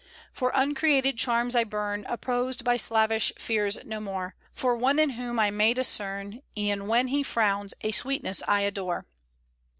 "For uncreated charms I burn, Oppressed by slavish fears no more; For One in whom I may discern, E'en when He frowns, a sweetness I adore."